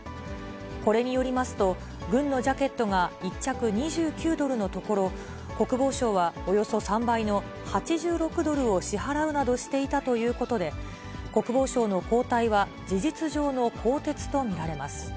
これによりますと、軍のジャケットが１着２９ドルのところ、国防省はおよそ３倍の８６ドルを支払うなどしていたということで、国防相の交代は、事実上の更迭と見られます。